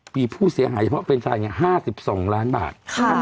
มีผู้เสียหายเฉพาะแฟนชาย๕๒ล้านบาท